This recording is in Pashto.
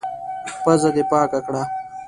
پزه دي پاکه کړه!